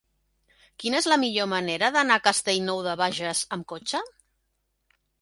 Quina és la millor manera d'anar a Castellnou de Bages amb cotxe?